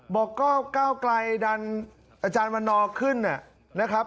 บอกก็ก้าวไกลดันอาจารย์วันนอร์ขึ้นนะครับ